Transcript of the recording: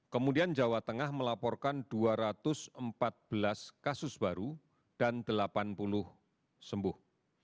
kemudian jawa tengah melaporkan dua ratus empat belas kasus baru dan delapan puluh sembuh